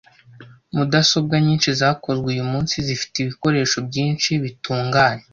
Mudasobwa nyinshi zakozwe uyumunsi zifite ibikoresho byinshi-bitunganya.